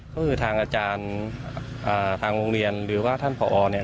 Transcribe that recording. ก็คือทางอาจารย์ทางโรงเรียนหรือว่าท่านผอเนี่ย